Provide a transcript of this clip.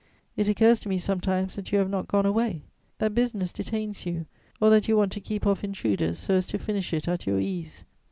It occurs to me sometimes that you have not gone away; that business detains you, or that you want to keep off intruders, so as to finish it at your ease.